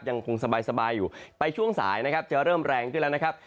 ยังคงสบายอยู่ไปช่วงสายนะครับจะเริ่มแรงขึ้นแล้วนะครับ